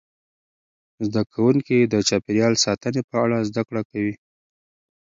زده کوونکي د چاپیریال ساتنې په اړه زده کړه کوي.